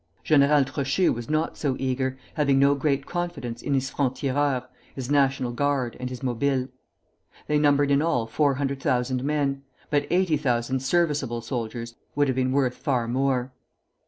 General Trochu was not so eager, having no great confidence in his francs tireurs, his National Guard, and his Mobiles. They numbered in all four hundred thousand men; but eighty thousand serviceable soldiers would have been worth far more.